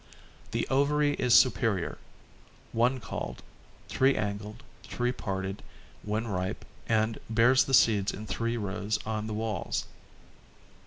The ovary is superior, one called, three angled, three parted when ripe and bears the seeds in three rows on the walls.